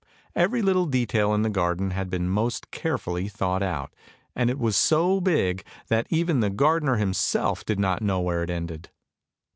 Every little detail in the garden had been most carefully thought out, and it was so big, that even the gardener himself did not know where it ended.